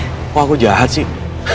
kok aku jahat sih